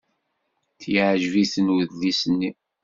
Yeɛjeb-iten udlis-nni.